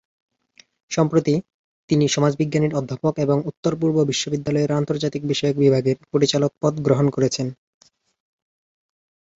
সম্প্রতি, তিনি সমাজবিজ্ঞানের অধ্যাপক এবং উত্তর-পূর্ব বিশ্ববিদ্যালয়ের আন্তর্জাতিক বিষয়ক বিভাগের পরিচালক পদ গ্রহণ করেছেন।